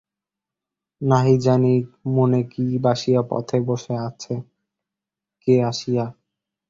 নাহি জানি মনে কী বাসিয়া পথে বসে আছে কে আসিয়া।